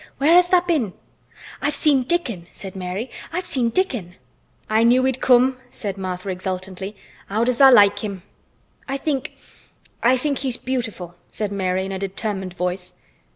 "Where has tha' been?" "I've seen Dickon!" said Mary. "I've seen Dickon!" "I knew he'd come," said Martha exultantly. "How does tha' like him?" "I think—I think he's beautiful!" said Mary in a determined voice.